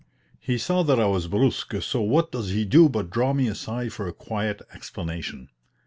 He saw that I was brusk, so what does he do but draw me aside for a quiet explanation.